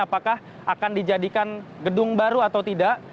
apakah akan dijadikan gedung baru atau tidak